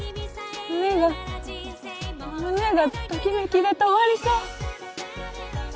胸が胸がときめきで止まりそう！